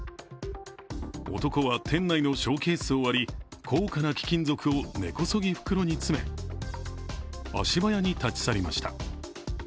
男は店内のショーケースを割り高価な貴金属を根こそぎ袋に詰め、足早に立ち去りました。